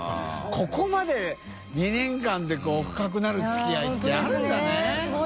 ここまで２年間で深くなる付き合いって△襪鵑世諭